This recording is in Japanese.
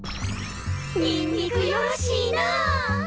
にんにくよろしいなあ！